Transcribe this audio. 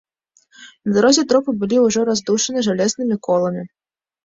На дарозе трупы былі ўжо раздушаны жалезнымі коламі.